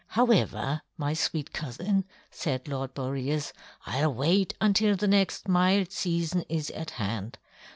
"However, my sweet cousin," said Lord Boreas, "I'll wait until the next mild season is at hand.